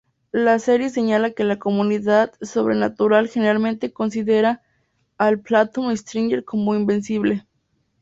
La serie señala que la comunidad sobrenatural generalmente considera al Phantom Stranger como invencible.